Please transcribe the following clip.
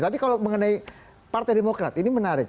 tapi kalau mengenai partai demokrat ini menarik